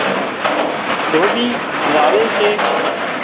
گوٻي واوي سي